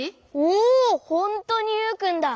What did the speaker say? おほんとにユウくんだ。